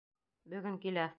Бөгөн килә!